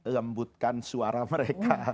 lembutkan suara mereka